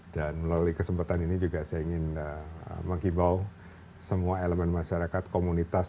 dan melalui kesempatan ini juga saya ingin menghibau semua elemen masyarakat komunitas